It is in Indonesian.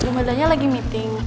bukan padanya lagi meeting